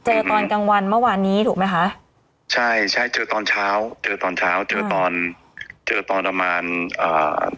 เจอตอนกลางวันเมื่อวานนี้ถูกไหมคะใช่ใช่เจอตอนเช้าเจอตอนเช้าเจอตอนเจอตอนประมาณอ่า